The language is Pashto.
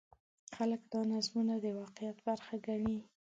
خلک دا نظمونه د واقعیت برخه ګڼي.